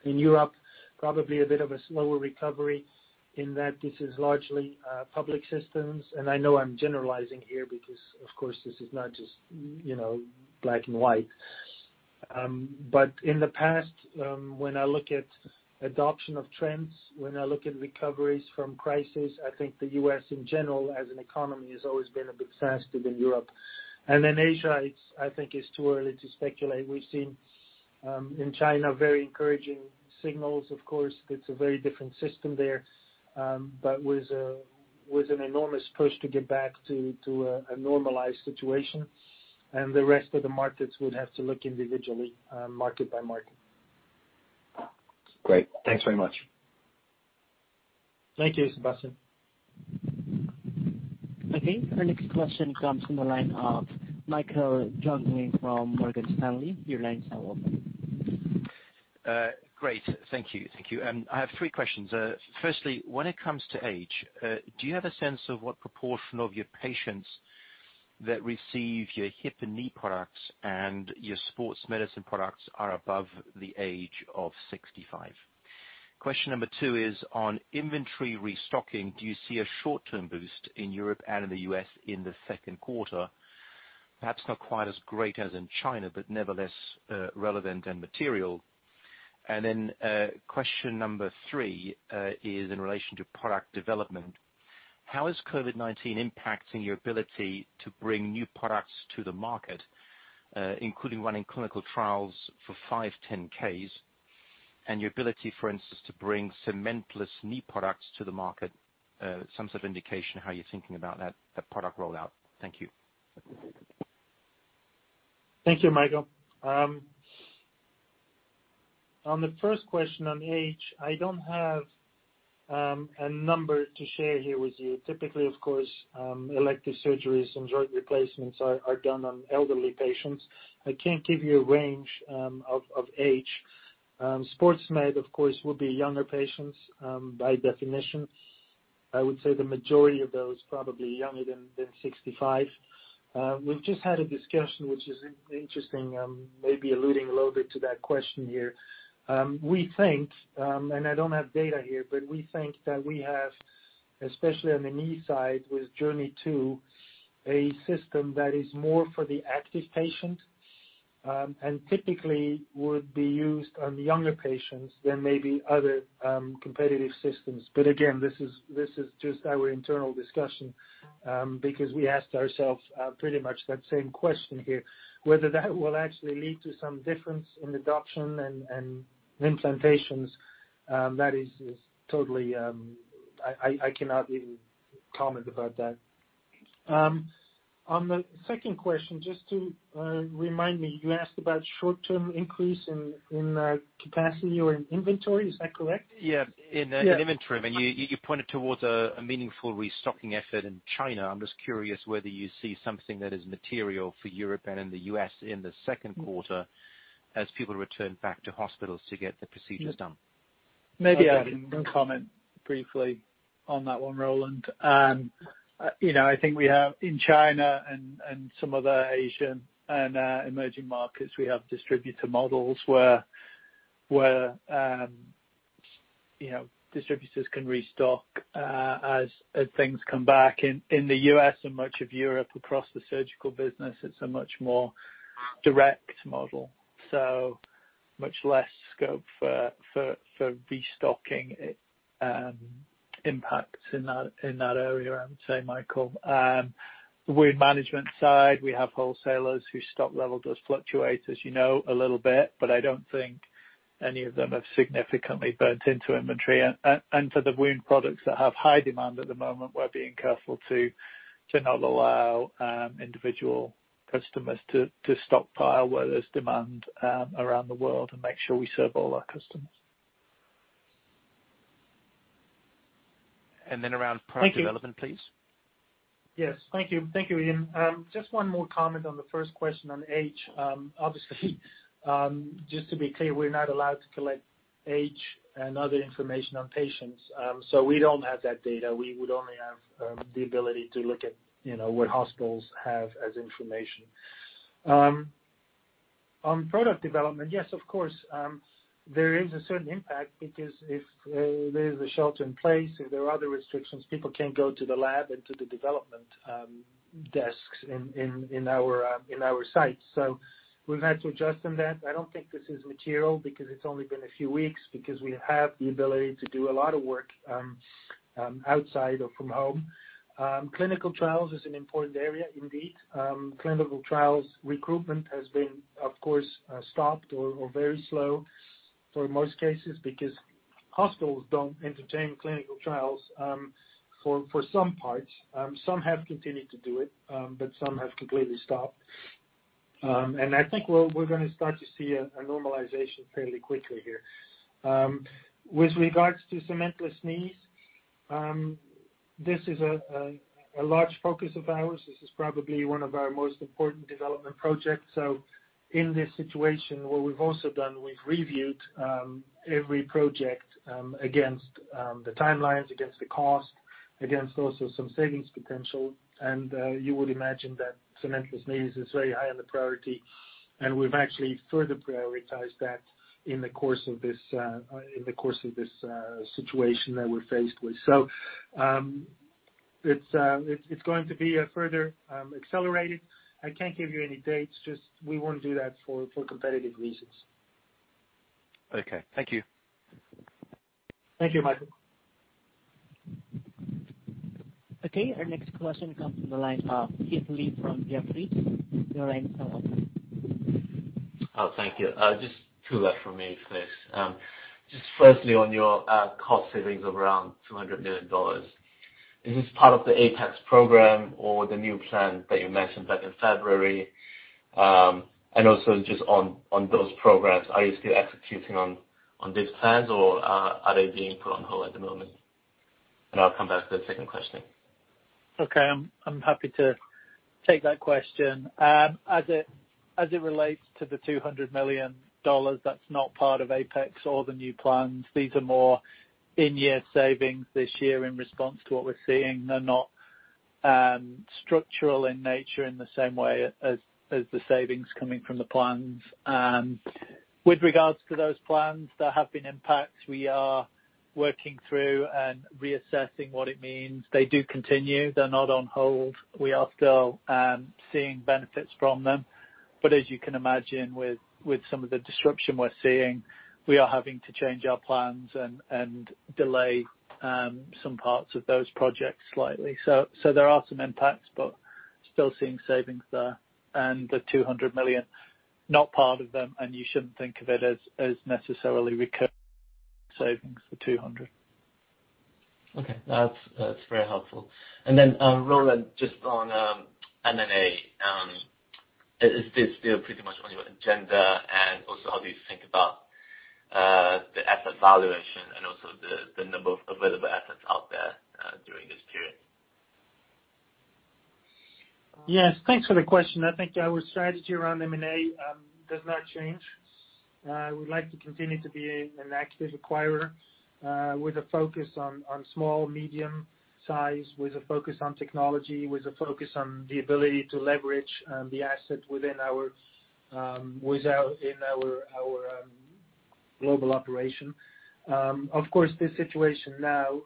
In Europe, probably a bit of a slower recovery in that this is largely public systems, and I know I'm generalizing here because, of course, this is not just black and white, but in the past, when I look at adoption of trends, when I look at recoveries from crises, I think the U.S., in general, as an economy, has always been a bit faster than Europe, and in Asia, I think it's too early to speculate. We've seen in China very encouraging signals. Of course, it's a very different system there, but with an enormous push to get back to a normalized situation. And the rest of the markets would have to look individually, market by market. Great. Thanks very much. Thank you, Sebastian. Okay. Our next question comes from the line of Michael Jungling from Morgan Stanley. Your line is now open. Great. Thank you. Thank you. I have three questions. Firstly, when it comes to age, do you have a sense of what proportion of your patients that receive your hip and knee products and your sports medicine products are above the age of 65? Question number two is, on inventory restocking, do you see a short-term boost in Europe and in the U.S. in the second quarter? Perhaps not quite as great as in China, but nevertheless relevant and material. And then question number three is in relation to product development. How is COVID-19 impacting your ability to bring new products to the market, including running clinical trials for 510(k)s? And your ability, for instance, to bring cementless knee products to the market, some sort of indication of how you're thinking about that product rollout? Thank you. Thank you, Michael. On the first question on age, I don't have a number to share here with you. Typically, of course, elective surgeries and joint replacements are done on elderly patients. I can't give you a range of age. Sports Med, of course, would be younger patients by definition. I would say the majority of those are probably younger than 65. We've just had a discussion, which is interesting, maybe alluding a little bit to that question here. We think, and I don't have data here, but we think that we have, especially on the knee side, with JOURNEY II, a system that is more for the active patient and typically would be used on younger patients than maybe other competitive systems. But again, this is just our internal discussion because we asked ourselves pretty much that same question here. Whether that will actually lead to some difference in adoption and implantations, that is totally, I cannot comment about that. On the second question, just to remind me, you asked about short-term increase in capacity or in inventory. Is that correct? Yeah. In inventory. I mean, you pointed towards a meaningful restocking effort in China. I'm just curious whether you see something that is material for Europe and in the U.S. in the second quarter as people return back to hospitals to get the procedures done. Maybe I can comment briefly on that one, Roland. I think we have in China and some other Asian and emerging markets, we have distributor models where distributors can restock as things come back. In the U.S. and much of Europe, across the surgical business, it's a much more direct model. So, much less scope for restocking impacts in that area, I would say, Michael. The wound management side, we have wholesalers whose stock level does fluctuate, as you know, a little bit, but I don't think any of them have significantly burnt into inventory. And for the wound products that have high demand at the moment, we're being careful to not allow individual customers to stockpile where there's demand around the world and make sure we serve all our customers. And then around product development, please. Yes. Thank you. Thank you, Ian. Just one more comment on the first question on age. Obviously, just to be clear, we're not allowed to collect age and other information on patients. So, we don't have that data. We would only have the ability to look at what hospitals have as information. On product development, yes, of course, there is a certain impact because if there's a shelter in place, if there are other restrictions, people can't go to the lab and to the development desks in our sites. So, we've had to adjust on that. I don't think this is material because it's only been a few weeks because we have the ability to do a lot of work outside or from home. Clinical trials is an important area, indeed. Clinical trials recruitment has been, of course, stopped or very slow for most cases because hospitals don't entertain clinical trials for some parts. Some have continued to do it, but some have completely stopped. And I think we're going to start to see a normalization fairly quickly here. With regards to cementless knees, this is a large focus of ours. This is probably one of our most important development projects. So, in this situation, what we've also done, we've reviewed every project against the timelines, against the cost, against also some savings potential. And you would imagine that cementless knees is very high on the priority. And we've actually further prioritized that in the course of this situation that we're faced with. So, it's going to be further accelerated. I can't give you any dates. Just we won't do that for competitive reasons. Okay. Thank you. Thank you, Michael. Okay. Our next question comes from the line of Kit Lee from Jefferies. Your line is now open. Oh, thank you. Just two left for me, please. Just firstly, on your cost savings of around $200 million, is this part of the APEX program or the new plan that you mentioned back in February? And also, just on those programs, are you still executing on these plans or are they being put on hold at the moment? And I'll come back to the second question. Okay. I'm happy to take that question. As it relates to the $200 million, that's not part of APEX or the new plans. These are more in-year savings this year in response to what we're seeing. They're not structural in nature in the same way as the savings coming from the plans. With regards to those plans, there have been impacts. We are working through and reassessing what it means. They do continue. They're not on hold. We are still seeing benefits from them. But as you can imagine, with some of the disruption we're seeing, we are having to change our plans and delay some parts of those projects slightly. So, there are some impacts, but still seeing savings there. And the $200 million, not part of them. And you shouldn't think of it as necessarily recurring savings, the $200. Okay. That's very helpful. And then, Roland, just on M&A, is this still pretty much on your agenda? And also, how do you think about the asset valuation and also the number of available assets out there during this period? Yes. Thanks for the question. I think our strategy around M&A does not change. We'd like to continue to be an active acquirer with a focus on small, medium size, with a focus on technology, with a focus on the ability to leverage the asset within our global operation. Of course, this situation now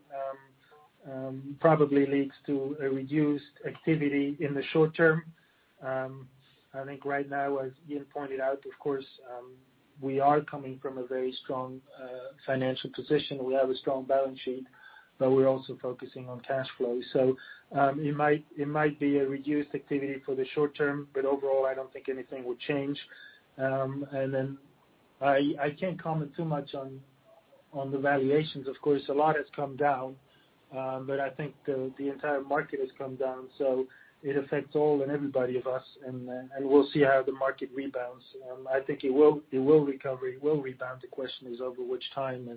probably leads to a reduced activity in the short term. I think right now, as Ian pointed out, of course, we are coming from a very strong financial position. We have a strong balance sheet, but we're also focusing on cash flow. So, it might be a reduced activity for the short term, but overall, I don't think anything would change. And then I can't comment too much on the valuations. Of course, a lot has come down, but I think the entire market has come down. So, it affects all and everybody of us. We'll see how the market rebounds. I think it will recover. It will rebound. The question is over which time.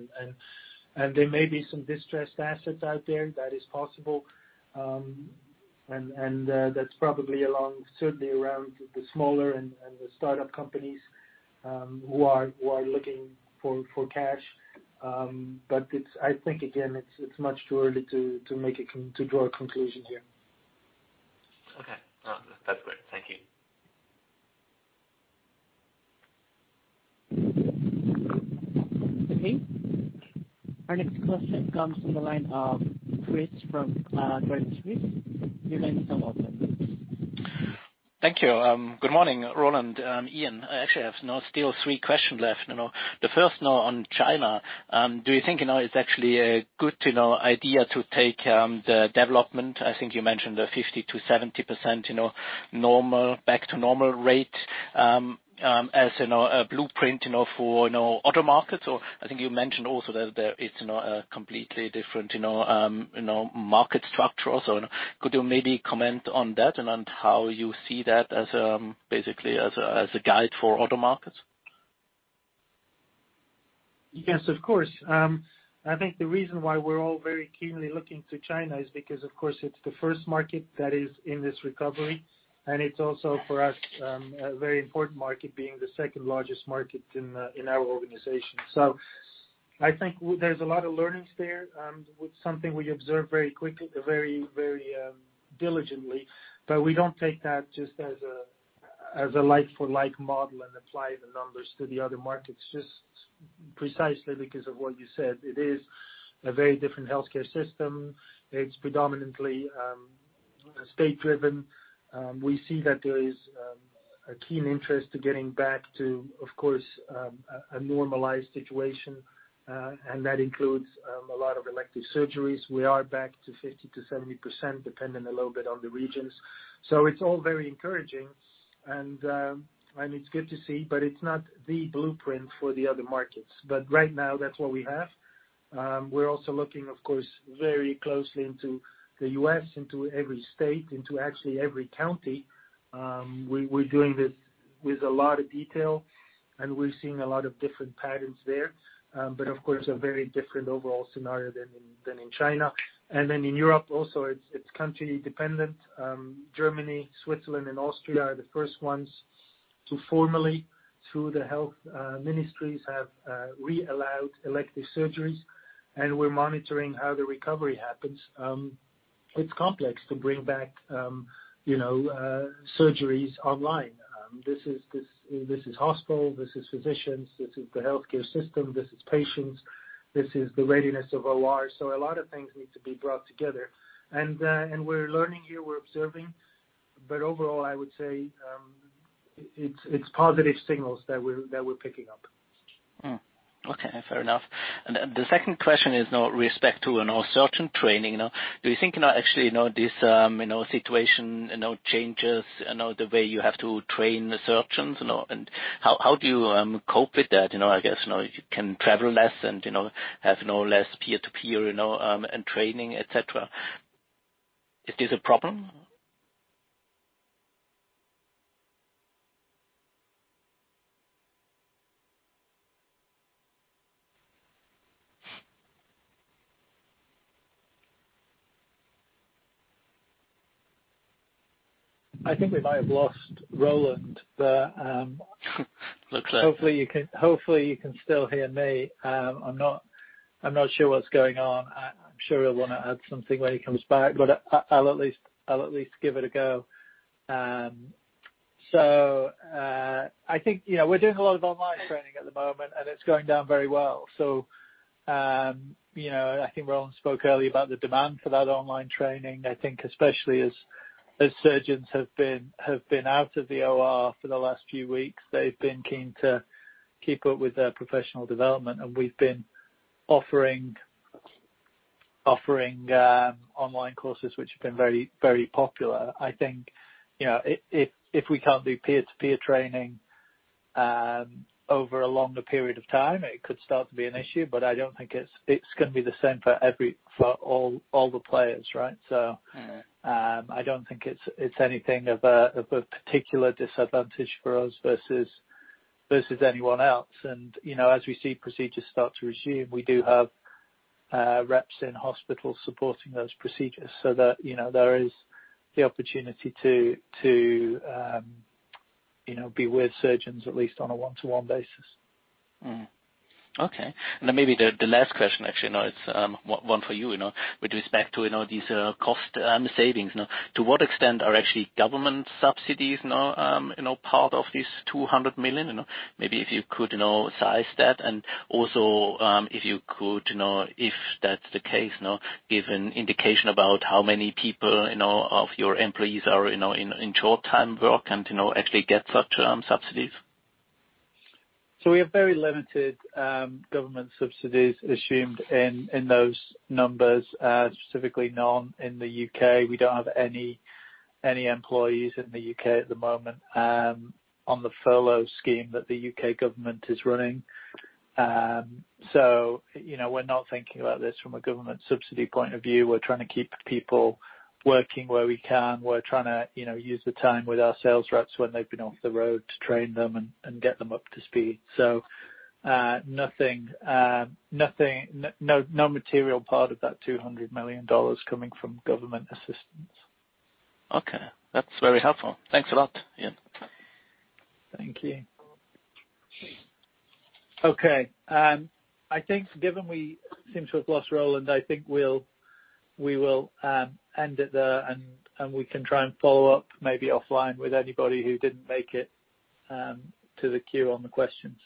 There may be some distressed assets out there. That is possible. That's probably along, certainly, around the smaller and the startup companies who are looking for cash. I think, again, it's much too early to draw a conclusion here. Okay. That's great. Thank you. Okay. Our next question comes from the line of Chris from Jefferies. Your line is now open. Thank you. Good morning, Roland. Ian, I actually have still three questions left. The first on China. Do you think it's actually a good idea to take the development? I think you mentioned a 50%-70% back to normal rate as a blueprint for ortho markets. Or I think you mentioned also that it's a completely different market structure. So, could you maybe comment on that and how you see that as basically as a guide for ortho markets? Yes, of course. I think the reason why we're all very keenly looking to China is because, of course, it's the first market that is in this recovery. And it's also, for us, a very important market, being the second largest market in our organization. So, I think there's a lot of learnings there, something we observe very quickly, very diligently. But we don't take that just as a like-for-like model and apply the numbers to the other markets, just precisely because of what you said. It is a very different healthcare system. It's predominantly state-driven. We see that there is a keen interest to getting back to, of course, a normalized situation. And that includes a lot of elective surgeries. We are back to 50%-70%, depending a little bit on the regions. So, it's all very encouraging. And it's good to see, but it's not the blueprint for the other markets. But right now, that's what we have. We're also looking, of course, very closely into the U.S., into every state, into actually every county. We're doing this with a lot of detail. And we're seeing a lot of different patterns there, but of course, a very different overall scenario than in China. And then in Europe, also, it's country-dependent. Germany, Switzerland, and Austria are the first ones to formally, through the health ministries, have reallowed elective surgeries. And we're monitoring how the recovery happens. It's complex to bring back surgeries online. This is hospitals. This is physicians. This is the healthcare system. This is patients. This is the readiness of OR. So, a lot of things need to be brought together. And we're learning here. We're observing. But overall, I would say it's positive signals that we're picking up. Okay. Fair enough, and the second question is with respect to surgeon training. Do you think actually this situation changes the way you have to train surgeons? And how do you cope with that? I guess you can travel less and have less peer-to-peer and training, etc. Is this a problem? I think we might have lost Roland. Looks like. Hopefully, you can still hear me. I'm not sure what's going on. I'm sure he'll want to add something when he comes back, but I'll at least give it a go, so I think we're doing a lot of online training at the moment, and it's going down very well, so I think Roland spoke earlier about the demand for that online training. I think especially as surgeons have been out of the OR for the last few weeks, they've been keen to keep up with their professional development, and we've been offering online courses, which have been very popular. I think if we can't do peer-to-peer training over a longer period of time, it could start to be an issue. But I don't think it's going to be the same for all the players, right? So, I don't think it's anything of a particular disadvantage for us versus anyone else. And as we see procedures start to resume, we do have reps in hospitals supporting those procedures so that there is the opportunity to be with surgeons, at least on a one-to-one basis. Okay. And then maybe the last question, actually, it's one for you with respect to these cost savings. To what extent are actually government subsidies part of this $200 million? Maybe if you could size that. And also, if you could, if that's the case, give an indication about how many people of your employees are in short-time work and actually get such subsidies. So, we have very limited government subsidies assumed in those numbers, specifically none in the U.K. We don't have any employees in the U.K. at the moment on the furlough scheme that the U.K. government is running. So, we're not thinking about this from a government subsidy point of view. We're trying to keep people working where we can. We're trying to use the time with our sales reps when they've been off the road to train them and get them up to speed. So, no material part of that $200 million coming from government assistance. Okay. That's very helpful. Thanks a lot, Ian. Thank you. Okay. I think given we seem to have lost Roland, I think we'll end it there, and we can try and follow up maybe offline with anybody who didn't make it to the queue on the questions.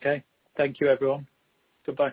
Okay. Thank you, everyone. Goodbye.